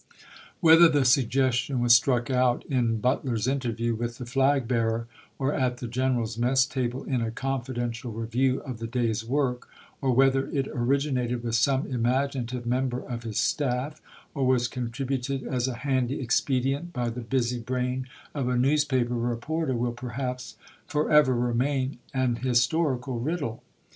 Whether the suggestion was struck out in But ler's interview with the flag bearer, or at the gen eral's mess table in a confidential review of the day's work; or whether it originated with some imaginative member of his staff, or was contrib uted as a handy expedient by the busy brain of a newspaper reporter, will perhaps forever remain an historical riddle.